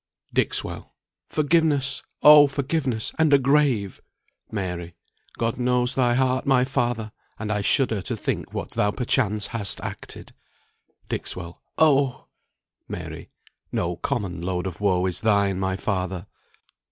"Dixwell. Forgiveness! Oh, forgiveness, and a grave! Mary. God knows thy heart, my father! and I shudder To think what thou perchance hast acted. Dixwell. Oh! Mary. No common load of woe is thine, my father."